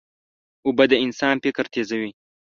اوبه د انسان فکر تیزوي.